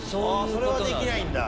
それはできないんだ。